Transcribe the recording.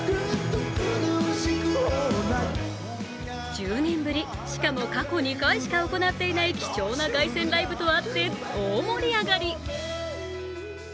１０年ぶり、しかも過去２回しか行っていない貴重な凱旋ライブとあって、大盛り上がり。